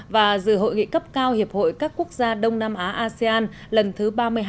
và dự hội nghị cấp cao hiệp hội các quốc gia đông nam á asean lần thứ ba mươi hai